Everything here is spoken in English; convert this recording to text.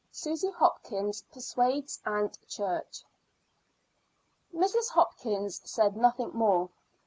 SUSY HOPKINS PERSUADES AUNT CHURCH. Mrs. Hopkins said nothing more.